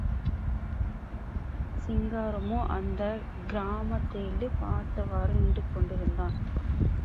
சிங்காரமோ, அந்தக் கிராமத்தையே பார்த்தவாறு நின்றுகொண்டிருந்தான்.